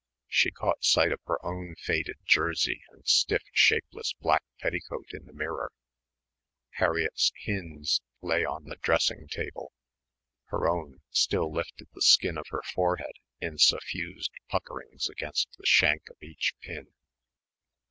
She caught sight of her own faded jersey and stiff, shapeless black petticoat in the mirror. Harriett's "Hinde's" lay on the dressing table, her own still lifted the skin of her forehead in suffused puckerings against the shank of each pin.